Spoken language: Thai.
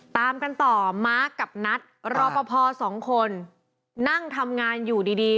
ตามกันต่อมาร์คกับนัทรอปภสองคนนั่งทำงานอยู่ดีดี